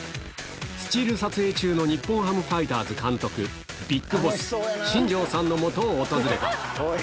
スチール撮影中の日本ハムファイターズ監督、ＢＩＧＢＯＳＳ、新庄さんのもとを訪れた。